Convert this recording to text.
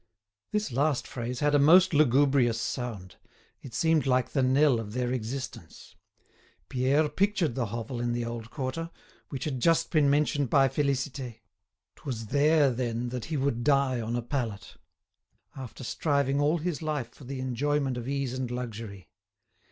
This last phrase had a most lugubrious sound. It seemed like the knell of their existence. Pierre pictured the hovel in the old quarter, which had just been mentioned by Félicité. 'Twas there, then, that he would die on a pallet, after striving all his life for the enjoyment of ease and luxury.